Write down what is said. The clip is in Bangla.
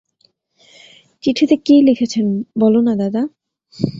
চিঠিতে কী লিখেছেন বলো-না দাদা।